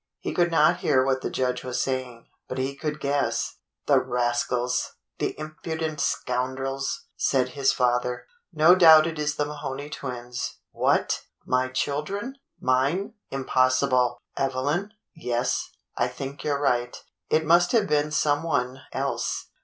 He could not hear what the judge was saying, but he could guess. "The rascals! The impudent scoundrels!" said his father. "No doubt it is the Mahoney twins. What! My children.'^ Mine.^ Impossible! Evelyn .^^ Yes, I think 3'ou 're right. It must have been some one else.